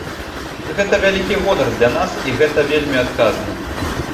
Гэта вялікі гонар для нас і гэта вельмі адказна.